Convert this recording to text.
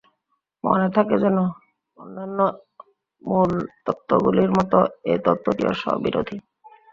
মনে থাকে যেন, অন্যান্য মূল তত্ত্বগুলির মত এ তত্ত্বটিও স্ব-বিরোধী।